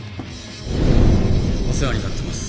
お世話になってます